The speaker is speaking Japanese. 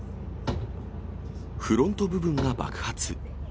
フロント部分が爆発。